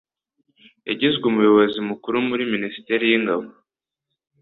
yagizwe umuyobozi mukuru muri minisiteri y'ingabo